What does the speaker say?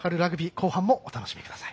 後半もお楽しみください。